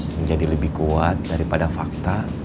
menjadi lebih kuat daripada fakta